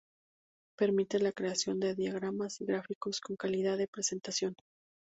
Permite la creación de diagramas y gráficos con calidad de presentación.